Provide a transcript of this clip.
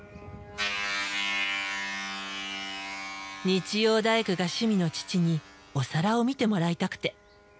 日曜大工が趣味の父にお皿を見てもらいたくて。